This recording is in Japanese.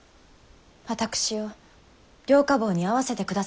私を両火房に会わせてくださいませ。